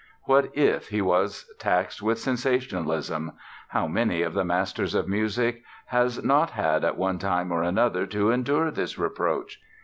What if he was taxed with sensationalism? How many of the masters of music has not had at one time or another to endure this reproach?